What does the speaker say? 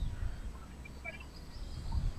অনন্ত-ভাবময় ঠাকুরের অংশ বলে এদের জানবি।